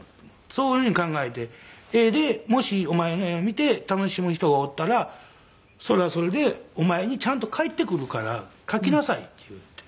「そういうふうに考えて絵でもしお前の絵を見て楽しむ人がおったらそれはそれでお前にちゃんと返ってくるから描きなさい」って言うて。